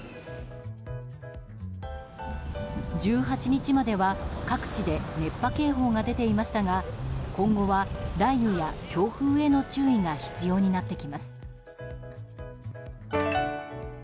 １８日までは各地で熱波警報が出ていましたが今後は、雷雨や強風への注意が必要になってきます。